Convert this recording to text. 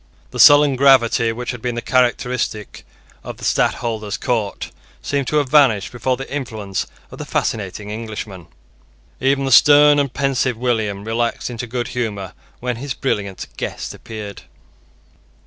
The sullen gravity which had been characteristic of the Stadtholder's court seemed to have vanished before the influence of the fascinating Englishman. Even the stern and pensive William relaxed into good humour when his brilliant guest appeared.